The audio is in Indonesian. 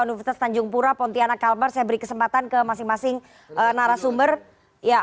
universitas tanjung pura pontianak kalbar saya beri kesempatan ke masing masing narasumber ya